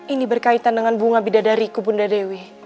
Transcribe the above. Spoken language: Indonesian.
ini berkaitan dengan bunga bidadariku bunda dewi